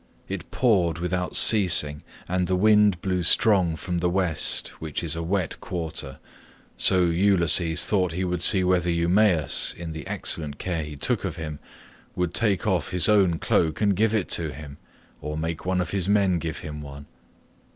It poured without ceasing, and the wind blew strong from the West, which is a wet quarter, so Ulysses thought he would see whether Eumaeus, in the excellent care he took of him, would take off his own cloak and give it him, or make one of his men give him one.